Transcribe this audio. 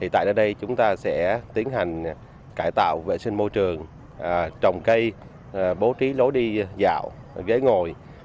tại đây chúng ta sẽ tiến hành cải tạo vệ sinh môi trường trồng cây bố trí lối đi dạo ghế ngồi